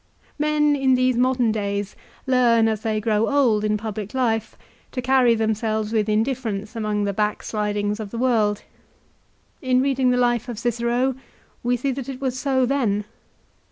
Men, in these modern days learn as they grow old in public life, to carry themselves with indifference among the backslidings of the world. In reading the life of Cicero we see that it was so then.